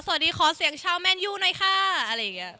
สวัสดีขอเสียงชาวแม่นยูหน่อยค่ะอะไรอย่างนี้